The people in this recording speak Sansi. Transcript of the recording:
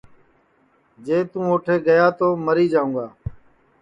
جے تُون اوٹھے گیا تو مری جاؤں گا